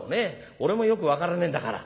俺もよく分からねえんだから」。